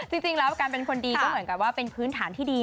จริงแล้วการเป็นคนดีก็เหมือนกับว่าเป็นพื้นฐานที่ดี